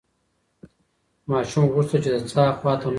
ماشوم غوښتل چې د څاه خواته منډه کړي.